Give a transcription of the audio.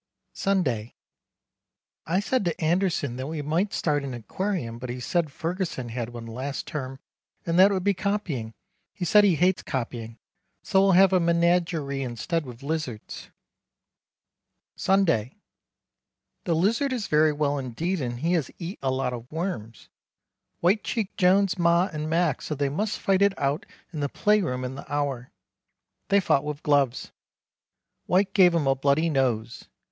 Sunday. I said to Anderson that we might start an aquarium but he said Ferguson had one last term and that it would be copying, he said he hates copying. So we'll have a menagery instead with lizards. Sunday. The lizard is very well indeed and has eat a lot of worms. White cheeked Jones ma and Mac said they must fight it out in the play room in the hour. They fought with gloves. White gave him a bloody nose.